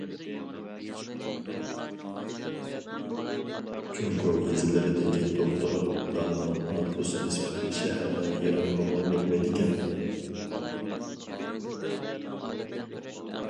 جۇڭگو يېزىلىرىدىكى دوختۇرلارنىڭ نوپۇس نىسبىتى شەھەرنىڭ يېرىمىغىمۇ يەتمەيدىكەن.